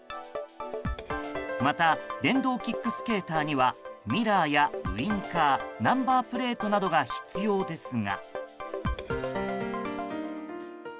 また、電動キックスケーターにはミラーやウィンカーナンバープレートなどが必要ですが。